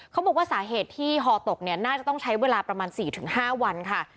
เขาบอกว่าสาเหตุที่ฮอตกเนี่ยน่าจะต้องใช้เวลาประมาณ๔๕วันค่ะ